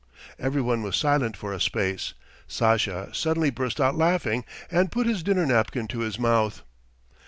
Everyone was silent for a space. Sasha suddenly burst out laughing and put his dinner napkin to his mouth.